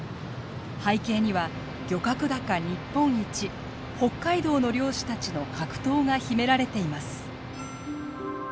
背景には漁獲高日本一北海道の漁師たちの格闘が秘められています。